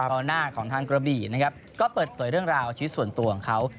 กองหน้าของทางกระบี่นะครับก็เปิดเผยเรื่องราวชีวิตส่วนตัวของเขา